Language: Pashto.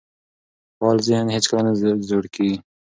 فعال ذهن هیڅکله نه زوړ کیږي.